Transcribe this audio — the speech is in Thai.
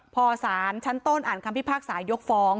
พอสารชั้นต้นอ่านคำพิพากษายกฟ้อง